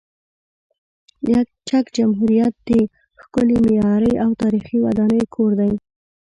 چک جمهوریت د ښکلې معماري او تاریخي ودانۍ کور دی.